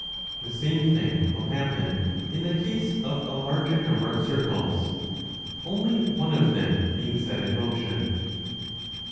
The same thing will happen in the case of a larger number of circles, only one of them being set in motion.